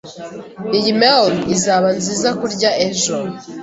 Iyi melon izaba nziza kurya ejo.